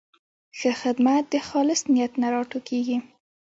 ښه خدمت د خالص نیت نه راټوکېږي.